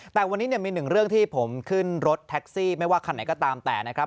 แต่วันนี้เนี่ยมีหนึ่งเรื่องที่ผมขึ้นรถแท็กซี่ไม่ว่าคันไหนก็ตามแต่นะครับ